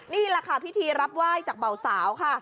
นี่แหละค่ะพิธีรับไหว้จากเบาสาวค่ะ